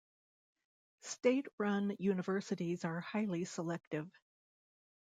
State-run universities are highly selective.